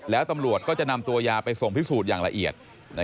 แล้วตำรวจก็จะนำตัวยาไปส่งพิสูจน์อย่างละเอียด